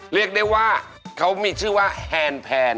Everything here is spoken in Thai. เรียกได้ว่าเขามีชื่อว่าแฮนแพน